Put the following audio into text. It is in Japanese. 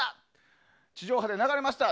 地上波で流れました。